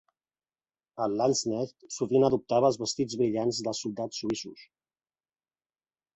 El Landsknecht sovint adoptava els vestits brillants dels soldats suïssos.